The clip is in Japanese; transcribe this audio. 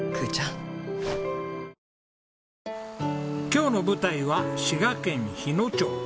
今日の舞台は滋賀県日野町。